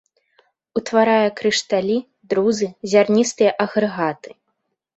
Утварае крышталі, друзы, зярністыя агрэгаты.